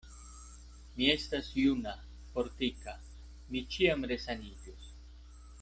Mi estas juna, fortika; mi ĉiam resaniĝos.